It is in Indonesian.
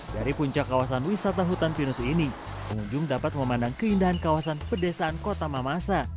dari puncak kawasan wisata hutan pinus ini pengunjung dapat memandang keindahan kawasan pedesaan kota mamasa